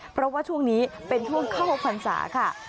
เพราะว่าช่วงนี้เป็นช่วงเข้าพรรษาค่ะ